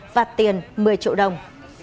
vạt tiền một mươi triệu đồng